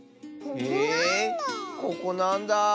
へえここなんだ。